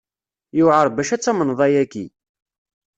Yuɛeṛ bac ad tamneḍ ayaki.